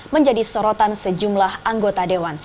menjadi sorotan sejumlah anggota dewan